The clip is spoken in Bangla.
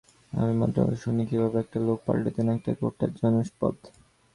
আমি মন্ত্রমুগ্ধের মতো শুনি, কীভাবে একটা লোক পাল্টে দেন একটা গোটা জনপদ।